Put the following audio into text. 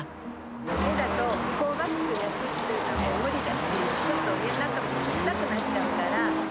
家だと香ばしく焼くっていうのも無理だし、ちょっと家の中も臭くなっちゃうから。